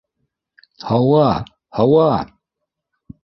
Һауа, һауа!